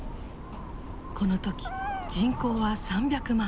この時人口は３００万。